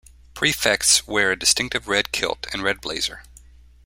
Prefects wear a distinctive red kilt and red blazer.